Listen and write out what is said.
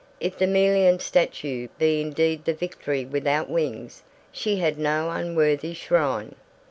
If the Melian statue be indeed the Victory Without Wings, she had no unworthy shrine.